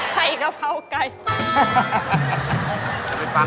ไข่กะเพราไก่